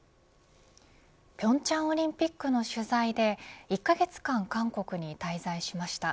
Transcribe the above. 平昌オリンピックの取材で１カ月間韓国に滞在しました。